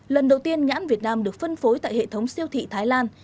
lần đầu tiên nhãn việt nam được phân phối tại hệ thống siêu thị thái lan